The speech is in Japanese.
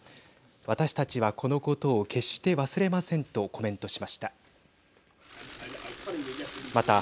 私たちはこのことを決して忘れませんとコメントしました。